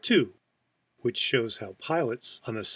II WHICH SHOWS HOW PILOTS ON THE ST.